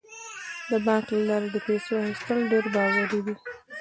د بانک له لارې د پیسو اخیستل ډیر باوري دي.